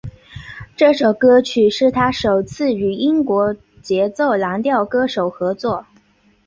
这首歌曲是他首次与英国节奏蓝调歌手合作。